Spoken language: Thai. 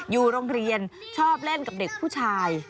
อยู่โรงเรียนชอบเล่นกับเด็กผู้ชาย